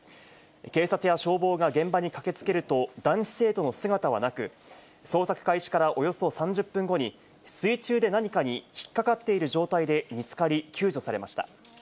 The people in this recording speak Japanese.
警察や消防が現場に駆けつけると、男子生徒の姿はなく、捜索開始からおよそ３０分後に、水中で何かに引っ掛かっている状態で見つかり、救助されました。